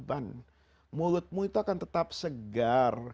mulutmu itu akan tetap segar